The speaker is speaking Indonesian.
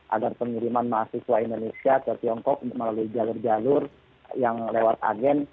agar pengiriman mahasiswa indonesia ke tiongkok melalui jalur jalur yang lewat agen